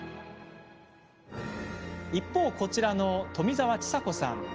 一方、こちらの富澤千砂子さん。